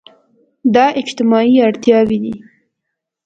دا اجتماعي اړتياوې دي.